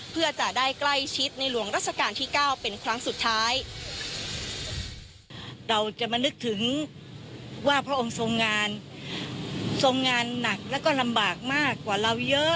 เพื่อจะได้ใกล้ชิดในหลวงรัชกาลที่๙เป็นครั้งสุดท้าย